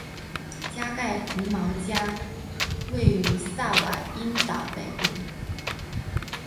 加盖福毛加位于萨瓦伊岛北部。